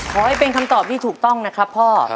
ขอให้เป็นคำตอบที่ถูกต้องนะครับพ่อ